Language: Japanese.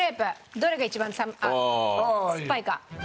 どれが一番すっぱいか。